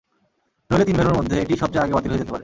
নইলে তিন ভেন্যুর মধ্যে এটিই সবচেয়ে আগে বাতিল হয়ে যেতে পারে।